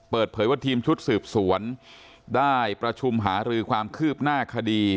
เปิดเผยว่าทีมชุดสืบสวนได้ประชุมหารือความคืบหน้าคดี